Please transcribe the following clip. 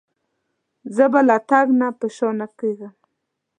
زه به له تګ نه په شا نه کېږم.